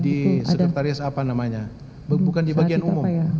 di sekretaris apa namanya bukan di bagian umum